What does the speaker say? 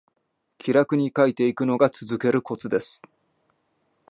気楽に書いていくのが続けるコツです